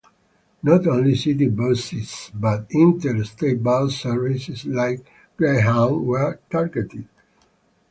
Not only city buses but interstate bus services like Greyhound were targeted.